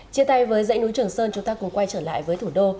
chia tay với dãy núi trường sơn chúng ta cùng quay trở lại với thủ đô